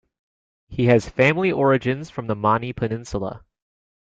He has family origins from the Mani Peninsula.